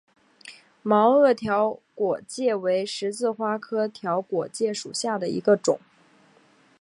毛萼条果芥为十字花科条果芥属下的一个种。